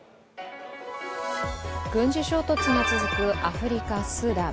軍事衝突が続くアフリカ・スーダン。